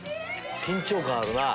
緊張感あるな。